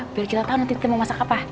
biar kita tahu nanti kita mau masak apa